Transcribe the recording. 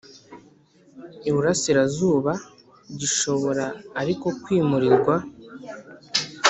Iburasirazuba gishobora ariko kwimurirwa